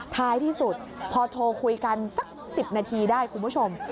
ท้ายที่สุดพอโทรคุยกันสัก๑๐นาทีได้คุณผู้ชม